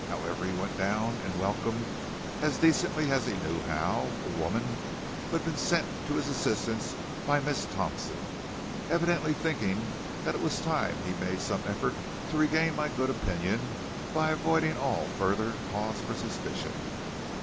However, he went down and welcomed, as decently as he knew how, a woman who had been sent to his assistance by Miss Thompson, evidently thinking that it was time he made some effort to regain my good opinion by avoiding all further cause for suspicion.